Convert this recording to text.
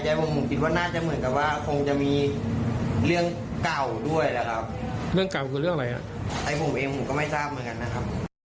ไอ้ผมเองผมก็ไม่ทราบเหมือนกันนะครับ